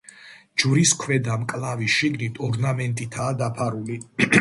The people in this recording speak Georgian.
ჯვრის ქვედა მკლავი შიგნით ორნამენტითაა დაფარული.